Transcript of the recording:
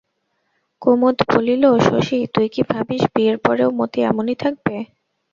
কুমুদ বলিল, শশী, তুই কি ভাবিস বিয়ের পরেও মতি এমনি থাকবে?